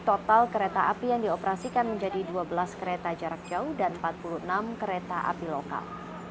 total kereta api yang dioperasikan menjadi dua belas kereta jarak jauh dan empat puluh enam kereta api lokal